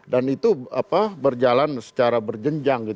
dan itu berjalan secara berjenjang